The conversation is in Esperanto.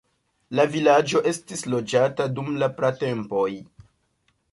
La vilaĝo estis loĝata dum la pratempoj.